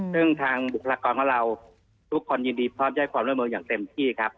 ซึ่งทางบุคลากรของเราทุกคนยินดีพร้อมจะให้ความร่วมมืออย่างเต็มที่ครับ